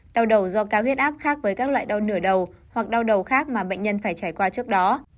đau đầu do cao huyết áp khác với các loại đau nửa đầu hoặc đau đầu khác mà bệnh nhân phải trải qua trước đó